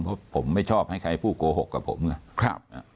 เพราะผมไม่ชอบให้ใครพูดโกหกกับผมไง